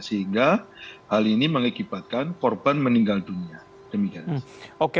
sehingga hal ini mengakibatkan korban meninggal dunia